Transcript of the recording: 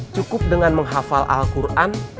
cukup dengan menghafal al quran